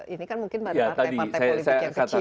ini kan mungkin partai partai politik yang kecil kan